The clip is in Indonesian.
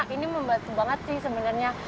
ini membantu banget sih sebenarnya